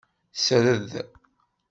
Sred.